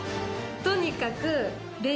とにかく。